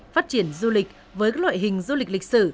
phát triển du lịch với các loại hình du lịch lịch sử